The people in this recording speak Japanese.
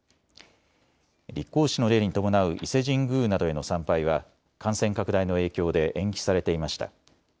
立皇嗣の礼に伴う伊勢神宮などへの参拝は感染拡大の影響で延期されていました。